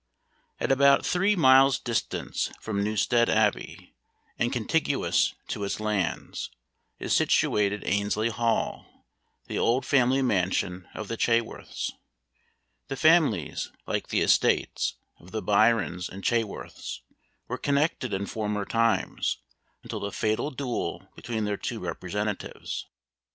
At about three miles' distance from Newstead Abbey, and contiguous to its lands, is situated Annesley Hall, the old family mansion of the Chaworths. The families, like the estates, of the Byrons and Chaworths, were connected in former times, until the fatal duel between their two representatives.